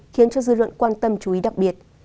khiến cho dư luận quan tâm chú ý đặc biệt